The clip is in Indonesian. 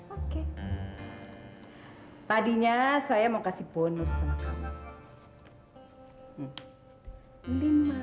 oke tadinya saya mau kasih bonus sama kami